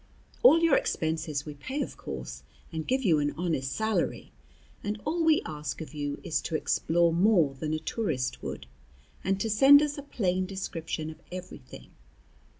All your expenses we pay of course, and give you an honest salary; and all we ask of you is to explore more than a tourist would; and to send us a plain description of everything.